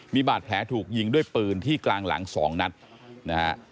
มีบาดแผลถูกยิงด้วยปืนที่กลางหลัง๒นัดนะฮะ